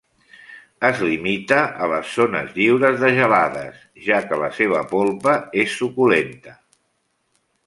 Es limita a les zones lliures de gelades, ja que la seva polpa és suculenta.